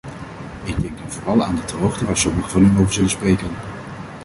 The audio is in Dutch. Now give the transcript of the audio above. Ik denk dan vooral aan de droogte waar sommigen van u over zullen spreken.